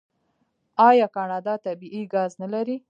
آیا کاناډا طبیعي ګاز نلري؟